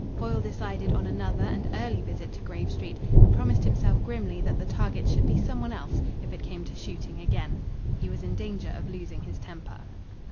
Foyle decided on another and early visit to Grave Street, and promised himself grimly that the target should be some one else, if it came to shooting again. He was in danger of losing his temper.